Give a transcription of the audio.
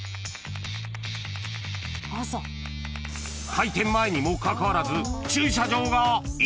［開店前にもかかわらず］